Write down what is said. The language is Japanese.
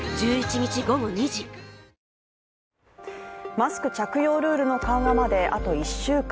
マスク着用ルールの緩和まであと１週間。